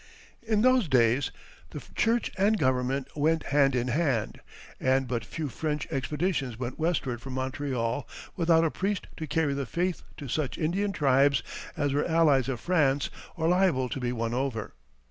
In those days the Church and Government went hand in hand, and but few French expeditions went westward from Montreal without a priest to carry the faith to such Indian tribes as were allies of France or liable to be won over.